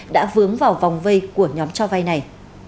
đã vướng vào vòng vây của nhóm cho vay này